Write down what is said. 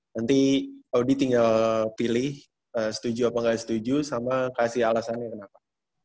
nanti audi tinggal pilih setuju apa nggak setuju sama kasih alasannya kenapa